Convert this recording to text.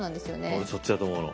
俺そっちだと思うの。